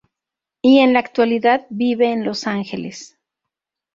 Y en la actualidad vive en Los Ángeles.